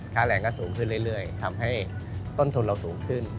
แรงก็สูงขึ้นเรื่อยทำให้ต้นทุนเราสูงขึ้น